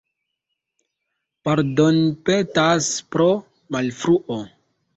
Pardonpetas pro malfruo.